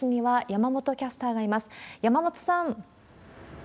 山本さん。